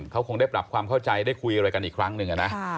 เขาคงได้ปรับความเข้าใจได้คุยอะไรกันอีกครั้งหนึ่งนะ